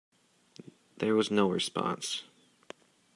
There was no response.